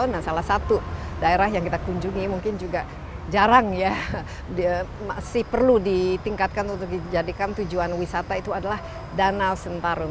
nah salah satu daerah yang kita kunjungi mungkin juga jarang ya masih perlu ditingkatkan untuk dijadikan tujuan wisata itu adalah danau sentarung